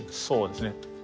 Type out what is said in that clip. そうですね。